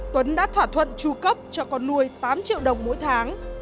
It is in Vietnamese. tuấn đã thỏa thuận tru cấp cho con nuôi tám triệu đồng mỗi tháng